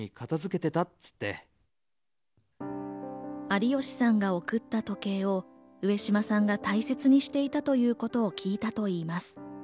有吉さんが贈った時計を上島さんが大切にしていたということを聞いたといいます。